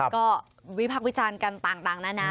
ก็วิพักษ์วิจารณ์กันต่างนานา